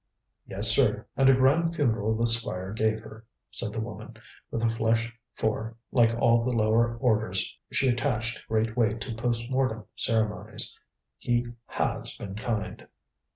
"Yes, sir, and a grand funeral the Squire gave her," said the woman, with a flush, for, like all the lower orders, she attached great weight to postmortem ceremonies. "He has been kind."